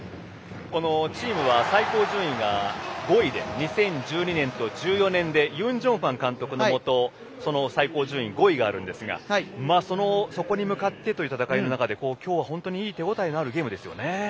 チームは最高順位が５位で２０１２年と２０１４年でユン・ジョンファン監督のもと最高順位５位があるんですがそこに向かってという戦いの中できょうは手応えのあるゲームですよね。